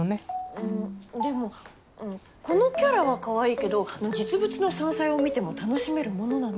うんでもこのキャラはかわいいけど実物の山菜を見ても楽しめるものなの？